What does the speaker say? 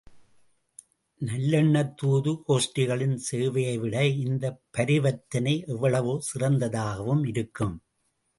நல்லெண்ணத் தூது கோஷ்டிகளின் சேவையைவிட இந்தப் பரிவர்த்தனை எவ்வளவோ சிறந்ததாகவும் இருக்கும்.